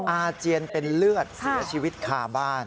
อาเจียนเป็นเลือดเสียชีวิตคาบ้าน